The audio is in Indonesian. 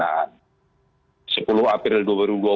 dan ini terus pembelajaran dan penyempurnaan